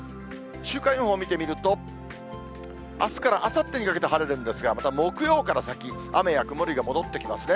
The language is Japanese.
週間予報見てみると、あすからあさってにかけて晴れるんですが、木曜から先、雨や曇りが戻ってきますね。